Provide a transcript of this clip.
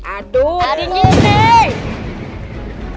aduh tinggi nih